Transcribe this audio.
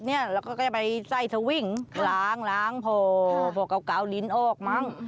และก็ใส่ซ่อวิ่งหลางพอโก๊กาวดินออกมั้ง